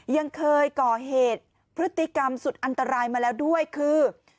ยังเคยก่อเหตุพฤติกรรมสุดอันตรายมาแล้วด้วยคือ